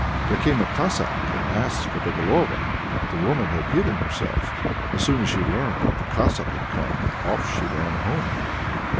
There came a Cossack, and asked for the Golova; but the woman had hidden herself. As soon as she learnt that the Cossack had come, off she ran home.